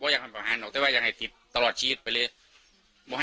อยากให้มันมอบตัวที่พ่อแม่ก็ยอมแบบยกทวดให้